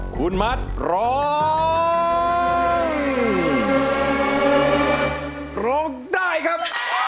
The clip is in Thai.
คุณมัดร้องร้องได้ครับ